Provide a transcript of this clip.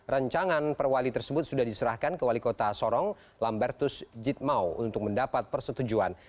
rencangan perwali tersebut sudah diserahkan ke wali kota sorong lambertus jitmau untuk mendapat persetujuan